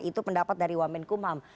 itu pendapat dari wamen kumham